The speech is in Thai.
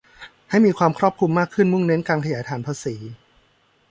ให้มีความครอบคลุมมากขึ้น มุ่งเน้นการขยายฐานภาษี